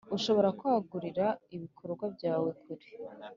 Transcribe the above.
Ushobora kwagurira ibikorwa byawe kure.